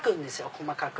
細かく。